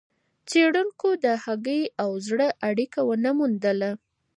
څېړونکو د هګۍ او زړه اړیکه ونه موندله.